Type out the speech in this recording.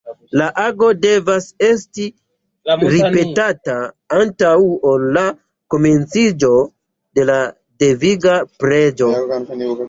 La ago devas esti ripetata antaŭ ol la komenciĝo de la deviga preĝo.